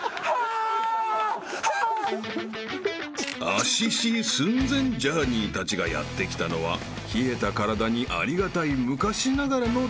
［足死寸前ジャーニーたちがやって来たのは冷えた体にありがたい昔ながらの手打ちうどん屋さん］